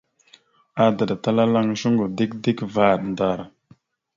Adəɗatalalaŋ shungo dik dik vvaɗ ndar.